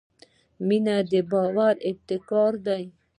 • مینه د باور ابتکار دی.